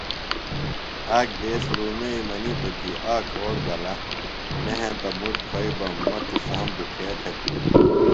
آک دیس لُومئی منِیتوۡ کی آک اوڑ گلہ نہ ہنتہ مُٹ کُھویئی بہ مہ تُسام بُٹھے تھےۡ کُھوم۔